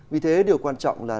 vì thế điều quan trọng là